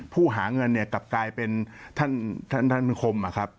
ผู้หาเงินกลับกลายเป็นท่านคม